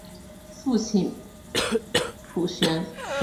父亲浦璇。